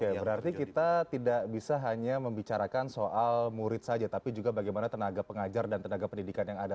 oke berarti kita tidak bisa hanya membicarakan soal murid saja tapi juga bagaimana tenaga pengajar dan tenaga pendidikan yang ada